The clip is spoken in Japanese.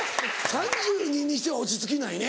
３２にしては落ち着きないね。